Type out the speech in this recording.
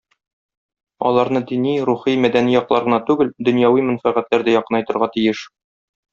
Аларны дини, рухи, мәдәни яклар гына түгел, дөньяви мәнфәгатьләр дә якынайтырга тиеш.